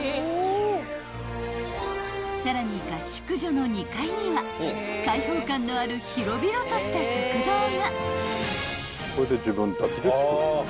［さらに合宿所の２階には開放感のある広々とした食堂が］